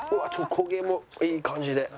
焦げもいい感じで。